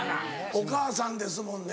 お母さんですもんね。